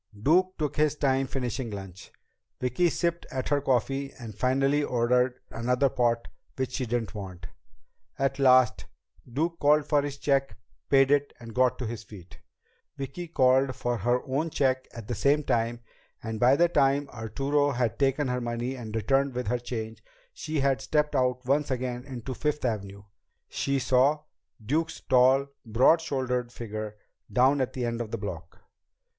Duke took his time finishing lunch. Vicki sipped at her coffee and finally ordered another pot which she didn't want. At last, Duke called for his check, paid it, and got to his feet. Vicki called for her own check at the same time, and by the time Arturo had taken her money and returned with her change, and she had stepped out once again into Fifth Avenue, she saw Duke's tall, broad shouldered figure down at the end of the block.